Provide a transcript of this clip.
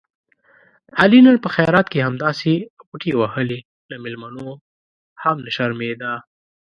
علي نن په خیرات کې همداسې غوټې وهلې، له مېلمنو هم نه شرمېدا.